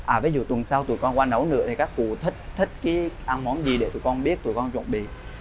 à ví dụ tuần sau tụi con qua nấu nữa thì các cụ thích thích cái ăn món gì để tụi con biết tụi con chuẩn bị